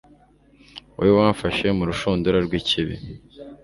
Wowe wamfashe mu rushundura rw'ikibi